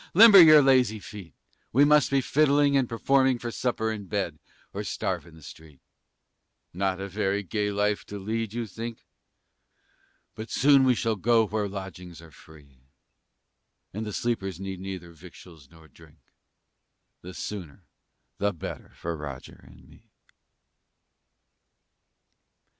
limber your lazy feet! We must be fiddling and performing For supper and bed, or starve in the street. Not a very gay life to lead, you think? But soon we shall go where lodgings are free, And the sleepers need neither victuals nor drink: The sooner, the better for Roger and me!